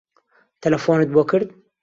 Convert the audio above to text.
تەلەفۆنت بۆ کرد؟